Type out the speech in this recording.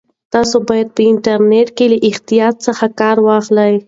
تاسو باید په انټرنیټ کې له احتیاط څخه کار واخلئ.